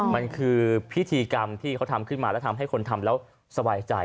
มันคือพิธีกรรมที่เขาทำขึ้นมาแล้วทำให้คนทำแล้วสบายใจ